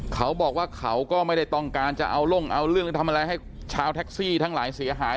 เขาบอกว่าเขาก็ไม่ได้ต้องการจะเอาลงเอาเรื่องหรือทำอะไรให้ชาวแท็กซี่ทั้งหลายเสียหาย